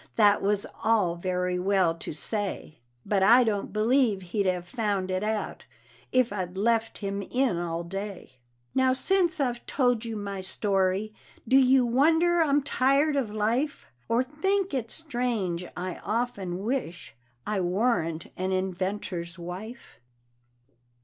That was all very well to say, But I don't believe he'd have found it out if I'd left him in all day. Now, since I've told you my story, do you wonder I'm tired of life, Or think it strange I often wish I warn't an inventor's wife?